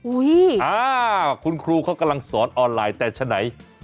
อุ้ยอ่าคุณครูเขากำลังสอนออนไลน์แต่ฉะนั้น